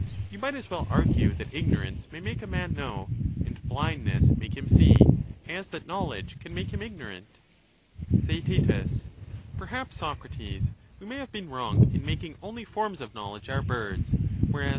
— you might as well argue that ignorance may make a man know, and blindness make him see, as that knowledge can make him ignorant Theaet, Perhaps, Socrates, we may have been wrong in Thcaetetus making only forms of knowledge our birds : whereas there ^uggwts »•• i..